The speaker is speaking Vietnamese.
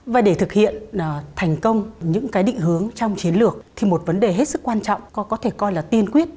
và để thực hiện thành công những cái định hướng trong chiến lược thì một vấn đề hết sức quan trọng có thể coi là tiên quyết